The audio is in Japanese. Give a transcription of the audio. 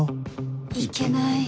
行けない